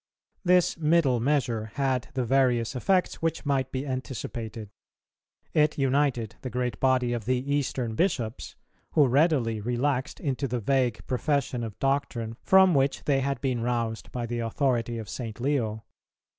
This middle measure had the various effects which might be anticipated. It united the great body of the Eastern Bishops, who readily relaxed into the vague profession of doctrine from which they had been roused by the authority of St. Leo.